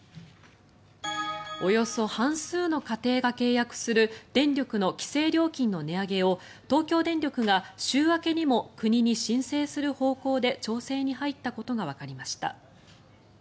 およそ半数の家庭が契約する電力の規制料金の値上げを東京電力が週明けにも国に申請する方向で調整に入ったことがわかりました。